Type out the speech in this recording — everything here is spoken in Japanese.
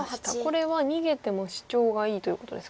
これは逃げてもシチョウがいいということですか？